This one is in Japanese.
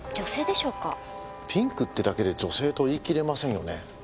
ピンクってだけで女性と言い切れませんよね。